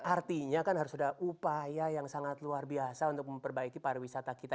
artinya kan harus ada upaya yang sangat luar biasa untuk memperbaiki pariwisata kita